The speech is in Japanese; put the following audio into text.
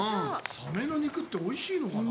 サメの肉って、おいしいのかな？